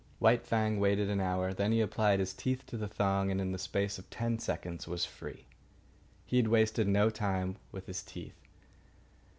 White Fang waited an hour. Then he applied his teeth to the thong, and in the space of ten seconds was free. He had wasted no time with his teeth.